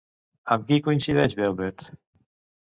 Amb qui coincideix Velvet?